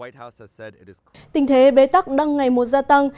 tình thế bế tắc đang ngày một gia tăng